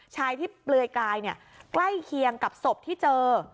ชายที่เปลือยกายใกล้เคียงกับศพที่เจอ